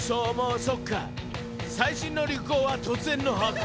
最新の流行は突然の把握